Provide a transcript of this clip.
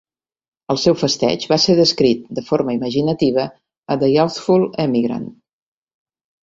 El seu festeig va ser descrit, de forma imaginativa, a "The Youthful Emigrant".